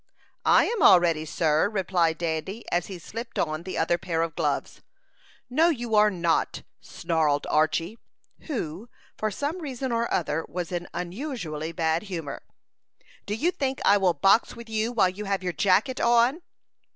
"I am all ready, sir," replied Dandy, as he slipped on the other pair of gloves. "No, you are not," snarled Archy, who, for some reason or other, was in unusually bad humor. "Do you think I will box with you while you have your jacket on?"